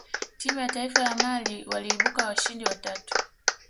timu ya taifa ya mali waliibuka washindi wa tatu